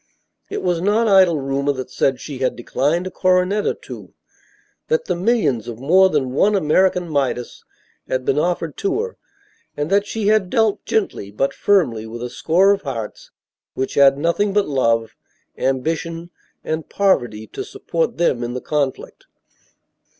It was not idle rumor that said she had declined a coronet or two, that the millions of more than one American Midas had been offered to her, and that she had dealt gently but firmly with a score of hearts which had nothing but love, ambition and poverty to support them in the conflict.